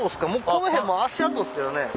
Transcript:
この辺も足跡ですけどね。